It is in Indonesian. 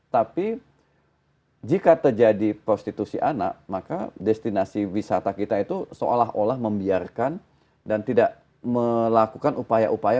tapi jika terjadi prostitusi anak maka destinasi wisata kita itu seolah olah membiarkan dan tidak melakukan upaya upaya